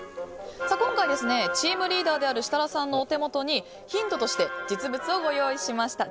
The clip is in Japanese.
今回、チームリーダーである設楽さんのお手元にヒントとして実物をご用意しました。